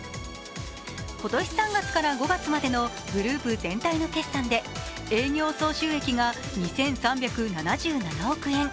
今年３月から５月までのグループ全体の決算で営業総収益が２３７７億円。